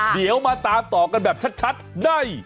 เดี๋ยวมาตามต่อกันแบบชัดได้